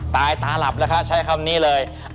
ตายตาหลับแล้วค่ะใช้คำนี้เลย